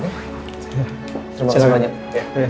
terima kasih banyak